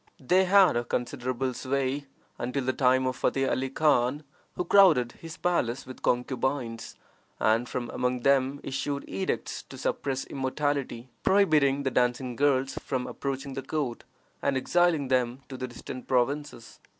They had considerable sway until the time of Futteh Ali Khan, who crowded his palace with concubines, and from among them issued edicts to suppress immorality, prohibiting the dancing girls from approaching the court, and exiling them to the distant provinces.